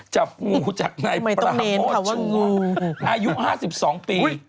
จับงูจากในประหม้อชู้อายุ๕๒ปี